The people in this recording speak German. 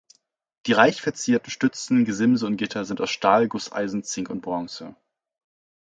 Die reichverzierten Stützen, Gesimse und Gitter sind aus Stahl, Gusseisen, Zink und Bronze.